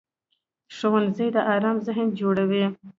ښوونځی د ارام ذهن جوړوي